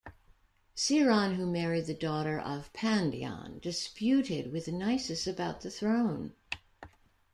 Sciron who married the daughter of Pandion disputed with Nisus about the throne.